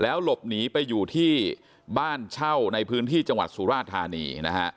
หลบหนีไปอยู่ที่บ้านเช่าในพื้นที่จังหวัดสุราธานีนะฮะ